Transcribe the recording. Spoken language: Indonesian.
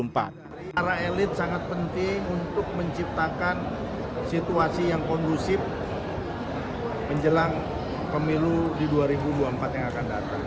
para elit sangat penting untuk menciptakan situasi yang kondusif menjelang pemilu di dua ribu dua puluh empat yang akan datang